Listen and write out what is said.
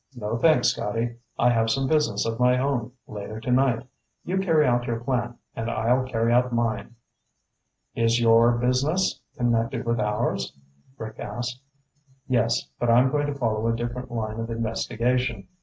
"No thanks, Scotty. I have some business of my own later tonight. You carry out your plan and I'll carry out mine." "Is your business connected with ours?" Rick asked. "Yes, but I'm going to follow a different line of investigation.